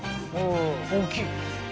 大きい。